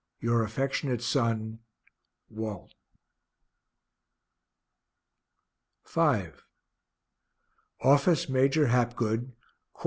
Your affectionate son, WALT. V _Office Major Hapgood, cor.